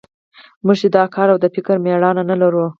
موږ چې د کار او د فکر مېړانه نه لرو.